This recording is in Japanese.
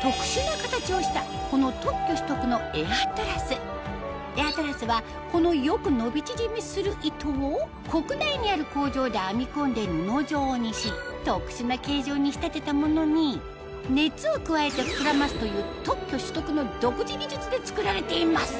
特殊な形をしたこのエアトラスはこのよく伸び縮みする糸を国内にある工場で編み込んで布状にし特殊な形状に仕立てたものに熱を加えて膨らますというで作られています